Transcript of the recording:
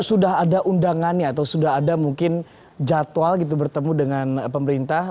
sudah ada undangannya atau sudah ada mungkin jadwal gitu bertemu dengan pemerintah